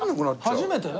初めて。